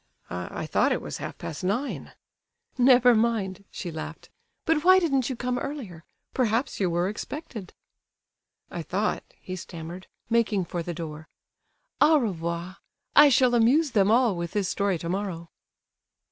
"I—I thought it was half past nine!" "Never mind!" she laughed, "but why didn't you come earlier? Perhaps you were expected!" "I thought" he stammered, making for the door. "Au revoir! I shall amuse them all with this story tomorrow!"